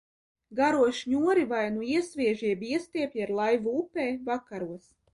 Garo šņori vai nu iesviež jeb iestiepj ar laivu upē, vakaros.